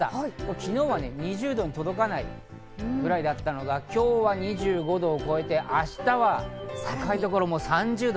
昨日は２０度に届かないぐらいだったのが今日は２５度を超えて明日は高い所は３０度。